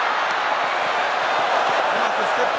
うまくステップ。